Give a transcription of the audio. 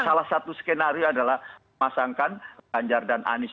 salah satu skenario adalah memasangkan ganjar dan anies